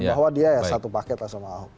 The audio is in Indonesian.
bahwa dia ya satu paket lah sama ahok